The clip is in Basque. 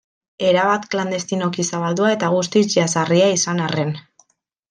Erabat klandestinoki zabaldua eta guztiz jazarria izan arren.